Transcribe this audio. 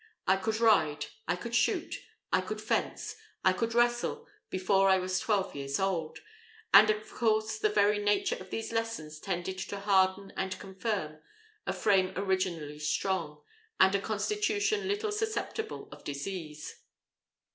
I could ride, I could shoot, I could fence, I could wrestle, before I was twelve years old; and of course the very nature of these lessons tended to harden and confirm a frame originally strong, and a constitution little susceptible of disease.